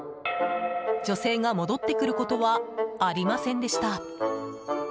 女性が戻って来ることはありませんでした。